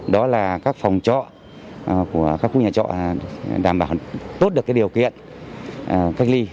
đó là các phòng trọ của các khu nhà trọ đảm bảo tốt được điều kiện cách ly